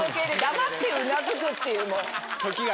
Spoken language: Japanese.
黙ってうなずくっていう。